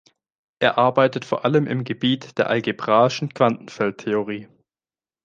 Er arbeitet vor allem im Gebiet der algebraischen Quantenfeldtheorie.